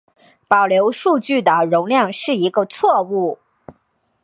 保留数据的容量是一个错误。